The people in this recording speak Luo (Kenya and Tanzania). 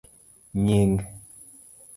Nying'.